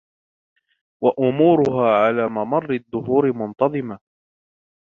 وَأُمُورُهَا عَلَى مَمَرِّ الدُّهُورِ مُنْتَظِمَةً